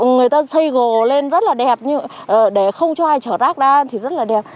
người ta xây gồ lên rất là đẹp để không cho ai trở rác ra thì rất là đẹp